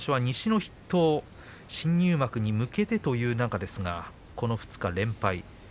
西の筆頭新入幕に向けてという中ですがこの２日連敗。